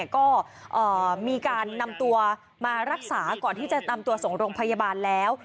ก็มีการนำตัวมารักษาก่อนที่จะนำตัวส่งโรงพยาบาลแล้ว